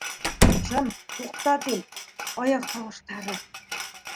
— Шым, туҡта, тим, аяҡ тауыштары...